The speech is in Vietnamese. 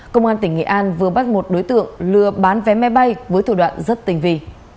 công an tỉnh nghệ an vừa bắt một đối tượng lừa bán vé máy bay với thủ đoạn rất tình vị